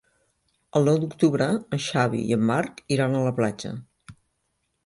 El nou d'octubre en Xavi i en Marc iran a la platja.